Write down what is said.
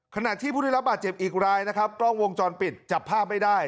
ขณะที่ผู้ได้รับบาดเจ็บอีกรายนะครับกล้องวงจรปิดจับภาพไม่ได้